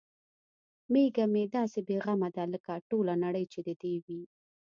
میږه مې داسې بې غمه ده لکه ټوله نړۍ چې د دې وي.